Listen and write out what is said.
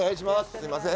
すいません。